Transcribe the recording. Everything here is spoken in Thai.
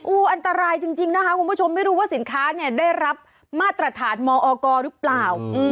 อันตรายจริงนะคะคุณผู้ชมไม่รู้ว่าสินค้าเนี่ยได้รับมาตรฐานมอกรหรือเปล่า